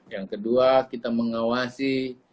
yang kedua kita mengawasi